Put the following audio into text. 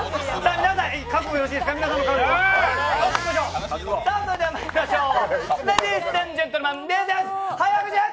皆さんの覚悟はよろしいですかそれではまいりましょう。